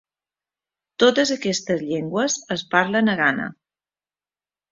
Totes aquestes llengües es parlen a Ghana.